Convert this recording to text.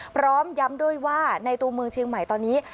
พร้อมย้ำด้วยว่าในตัวเมืองเชียงใหม่ตอนนี้